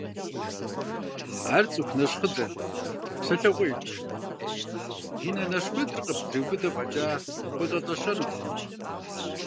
Ар цӀыху нэщхъыдзэт, псэлъэгъуейт, и нэ нащхъуитӀыр къыптриубыдэ фӀэкӀа, къолӀэлӀэщэнутэкъым.